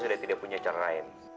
sudah tidak punya cara lain